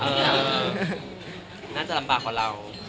เออน่าจะลำบากของเรา